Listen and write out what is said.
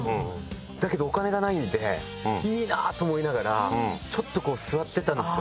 だけどお金がないんでいいなと思いながらちょっと座ってたんですよ